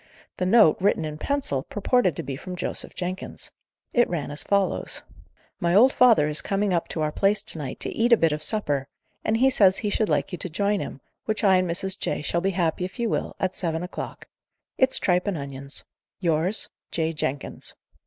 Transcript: The note, written in pencil, purported to be from Joseph Jenkins. It ran as follows: My old father is coming up to our place to night, to eat a bit of supper, and he says he should like you to join him, which I and Mrs. J. shall be happy if you will, at seven o'clock. It's tripe and onions. Yours, "J. JENKINS."